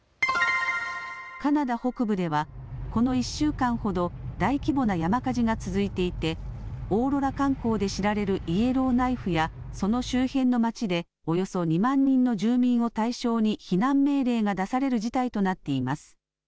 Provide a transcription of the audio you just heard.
カナダ北部ではこの１週間ほど大規模な山火事が続いていてオーロラ観光で知られるイエローナイフやその周辺の町でおよそ２万人の住民を対象に避難命令が出される事態となっています。